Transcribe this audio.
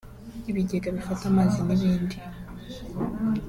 ibigega bifata amazi n’ibindi